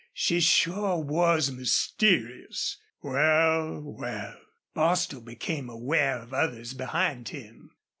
She sure was mysterious.... Wal, wal." Bostil became aware of others behind him.